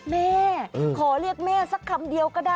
แม่ขอเรียกแม่สักคำเดียวก็ได้